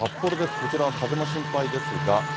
こちらは風も心配ですが。